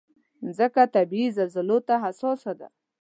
مځکه طبعي زلزلو ته حساسه ده.